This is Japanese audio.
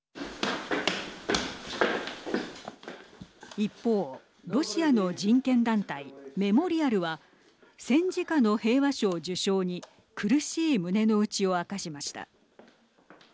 一方、ロシアの人権団体メモリアルは戦時下の平和賞受賞に苦しい胸の内を明かしました。